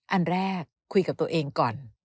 อันแรกคุยกับตัวเองก่อน